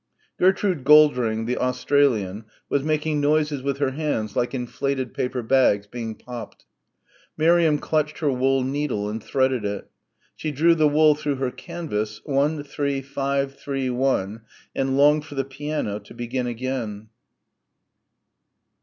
Gertrude Goldring, the Australian, was making noises with her hands like inflated paper bags being popped. Miriam clutched her wool needle and threaded it. She drew the wool through her canvas, one, three, five, three, one and longed for the piano to begin again.